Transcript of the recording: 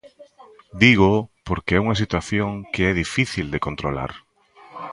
Dígoo porque é unha situación que é difícil de controlar.